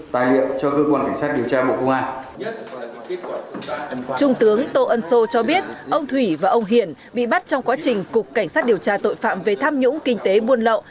trung tướng tô ân sô cho biết ông thủy và ông hiển bị bắt trong quá trình cục cảnh sát điều tra tội phạm về tham nhũng kinh tế buôn lậu